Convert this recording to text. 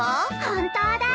本当だ。